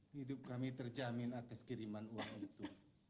hidup kami terjamin atas kiriman uang itu